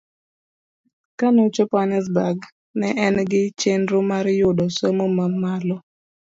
Kane ochopo Hannesburg, ne en gi chenro mar yudo somo mamalo.